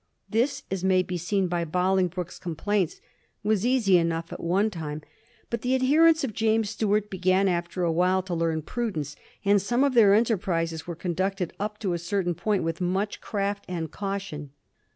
This, as may be seen by Boling broke's complaints, was easy enough at one time ; but the adherents of James Stuart began after a while to learn prudence, and some of their enterprises were conducted up to a certain point with much craft and caution.